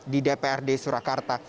di dprd surakarta